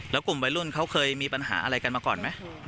แล้วกลุ่มวัยรุ่นเขาเคยมีปัญหาอะไรกันมาก่อนไหม